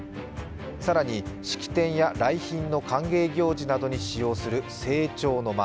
更に、式典や来賓の歓迎行事などに使用する、正庁の間。